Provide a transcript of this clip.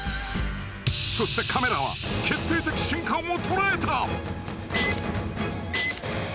そしてカメラは決定的瞬間を捉えた！